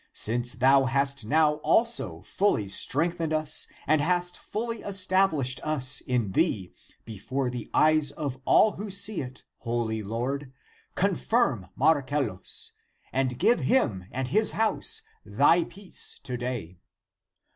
Since thou hast now also fully strengthened us and hast fully established us in thee before the eyes of all who see it, holy Lord, confirm Marcellus and give him and his house thy peace to day.